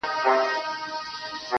ځكه چي دا خو د تقدير فيصله.